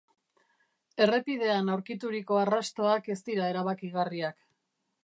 Errepidean aurkituriko arrastoak ez dira erabakigarriak.